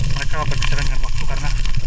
mereka berbicara dengan waktu karena